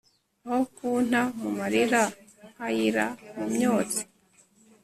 aho kunta mu marira nkaira mumyotsi